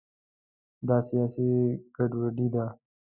دا سیاسي ګډوډي ده.